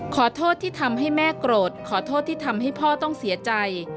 ขอโทษที่ทำให้แม่โกรธขอโทษที่ทำให้พ่อต้องเสียใจ